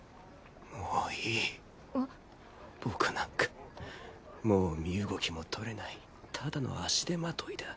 もういい僕なんかもう身動きもとれないただの足手まといだ。